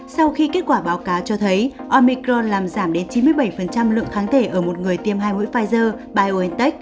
sau khi kết quả báo cáo cho thấy omicron làm giảm đến chín mươi bảy lượng kháng thể ở một người tiêm hai mũi pfizer biontech